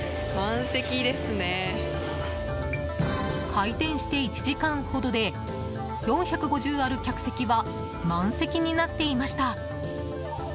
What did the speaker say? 開店して１時間ほどで４５０ある客席は満席になっていました。